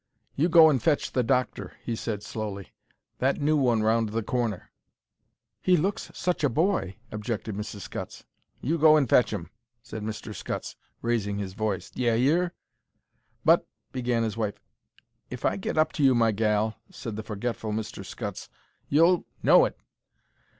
"You go and fetch the doctor," he said, slowly. "That new one round the corner." "He looks such a boy," objected Mrs. Scutts. "You go and fetch 'im," said Mr. Scutts, raising his voice. "D'ye hear!" "But—" began his wife. "If I get up to you, my gal," said the forgetful Mr. Scutts, "you'll know it."